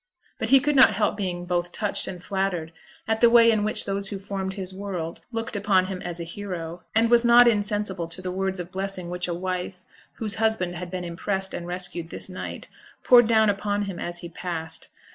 But he could not help being both touched and flattered at the way in which those who formed his 'world' looked upon him as a hero; and was not insensible to the words of blessing which a wife, whose husband had been impressed and rescued this night, poured down upon him as he passed.